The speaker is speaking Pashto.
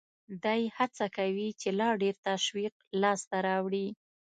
دی هڅه کوي چې لا ډېر تشویق لاس ته راوړي